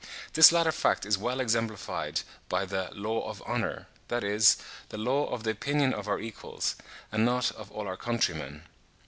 This latter fact is well exemplified by the LAW OF HONOUR, that is, the law of the opinion of our equals, and not of all our countrymen.